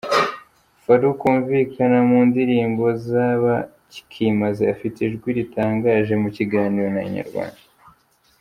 Faruku wumvikana mu ndirimbo z’Abakimaze afite ijwi ritangaje, mu kiganiro na Inyarwanda.